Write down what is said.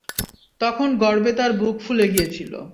তখন গর্বে তার বুক ফুলে গিয়েছিল।